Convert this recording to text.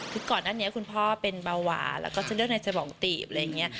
คือก่อนหน้านี้คุณพ่อเป็นเบาหวานแล้วก็เส้นเลือดในสมองตีบอะไรอย่างนี้